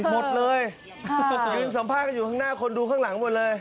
หมดเลยยืนสัมภาษณ์กันอยู่ข้างหน้าคนดูข้างหลังหมดเลย